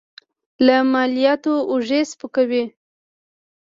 له مالیاتو اوږې سپکوي.